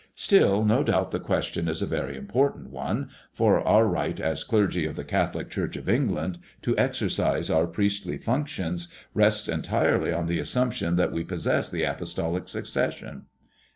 " Still, no doubt the question is a very important one, for our right, as clergy of the Catholic Church of England, to exercise our priestly functions rests entirely on the assumption that we do possess the apostolic succession."